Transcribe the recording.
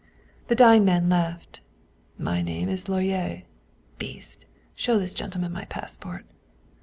The dying man laughed :" My name is Lorier. Beast, show the gentleman my passport."